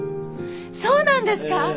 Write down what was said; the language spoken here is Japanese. そうなんですか？